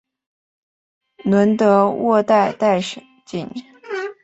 伦德沃代代什。